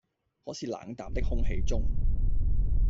可是在冷淡的空氣中，